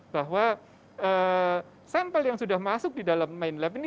bahwa sampel yang sudah masuk di dalam main lab ini